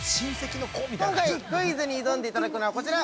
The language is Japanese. ◆今回クイズに挑んでいただくのはこちら。